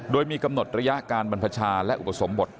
โดยมีกำหนดระยะการบรรพชาและอุปสมบท